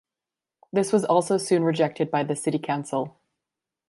This was also soon rejected by the city council.